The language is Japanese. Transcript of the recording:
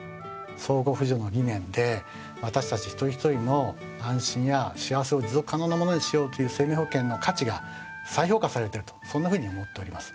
相互扶助の理念で私たち一人一人の安心や幸せを持続可能なものにしようという生命保険の価値が再評価されてるとそんなふうに思っております。